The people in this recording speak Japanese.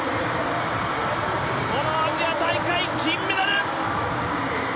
このアジア大会、銀メダル。